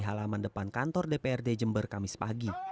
halaman depan kantor dprd jember kamis pagi